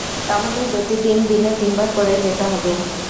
আমাদের প্রতিদিন, দিনে তিন বার করে যেতে হবে।